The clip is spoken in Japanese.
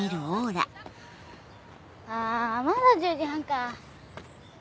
あまだ１０時半か。